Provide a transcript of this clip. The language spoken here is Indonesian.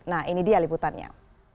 nah ini dia liputannya